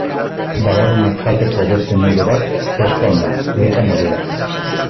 Babarrunak jateko beste modu bat freskoan da, leka modura.